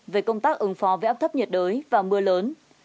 về công tác ứng phó với áp thấp nhiệt đới và mưa lớn